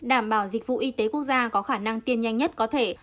đảm bảo dịch vụ y tế quốc gia có khả năng tiên nhanh nhất có thể